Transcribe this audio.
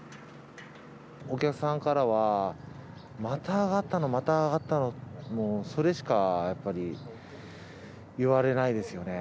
お客さんからは、また上がったの、また上がったの、もうそれしかやっぱり言われないですよね。